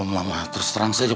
mama terus terang saja